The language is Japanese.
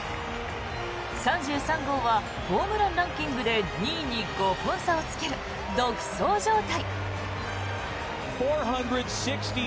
３３号はホームランランキングで２位に５本差をつける独走状態。